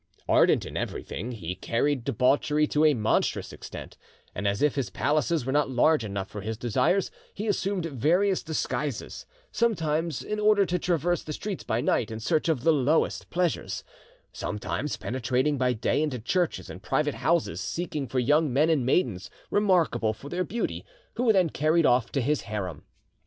Ardent in everything, he carried debauchery to a monstrous extent, and as if his palaces were not large enough for his desires, he assumed various disguises; sometimes in order to traverse the streets by night in search of the lowest pleasures; sometimes penetrating by day into churches and private houses seeking for young men and maidens remarkable for their beauty, who were then carried off to his harem.